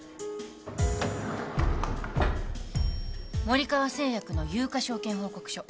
森川製薬の有価証券報告書。